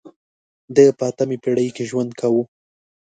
ده په اتمې پېړۍ کې ژوند کاوه.